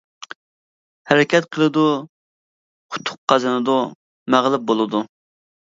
ھەرىكەت قىلىدۇ، ئۇتۇق قازىنىدۇ، مەغلۇپ بولىدۇ.